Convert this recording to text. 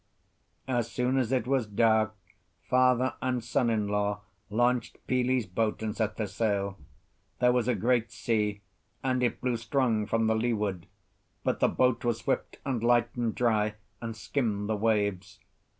As soon as it was dark father and son in law launched Pili's boat and set the sail. There was a great sea, and it blew strong from the leeward; but the boat was swift and light and dry, and skimmed the waves.